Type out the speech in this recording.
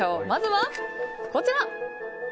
まずは、こちら。